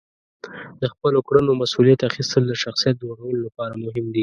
د خپلو کړنو مسئولیت اخیستل د شخصیت جوړولو لپاره مهم دي.